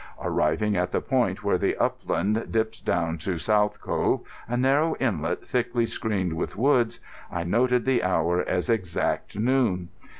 Arriving at the point where the upland dipped down to South Cove, a narrow inlet thickly screened with woods, I noted the hour as exact noon.